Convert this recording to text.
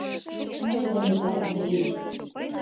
Мо тыгай, Николай Андреич?